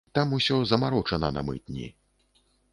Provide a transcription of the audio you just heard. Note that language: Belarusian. Там усё замарочана на мытні.